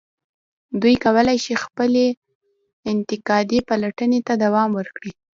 دوی کولای شي خپلې انتقادي پلټنې ته دوام ورکړي.